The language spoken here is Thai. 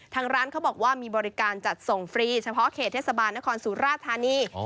ทางร้านเขาบอกว่ามีบริการจัดส่งฟรีเฉพาะเขตเทศบาลนครสุราธานี